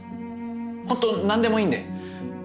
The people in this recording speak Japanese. ホント何でもいいんで。